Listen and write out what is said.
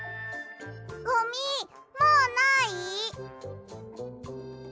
ゴミもうない？